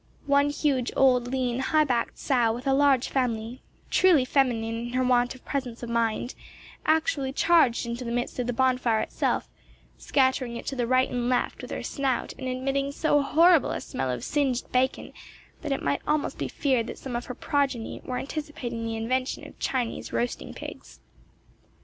One huge, old, lean, high backed sow, with a large family, truly feminine in her want of presence of mind, actually charged into the midst of the bonfire itself, scattering it to the right and left with her snout, and emitting so horrible a smell of singed bacon, that it might almost be feared that some of her progeny were anticipating the invention of Chinese roasting pigs.